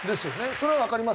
それはわかりますよね？